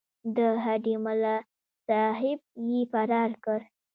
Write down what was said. د هډې ملاصاحب یې فرار کړ.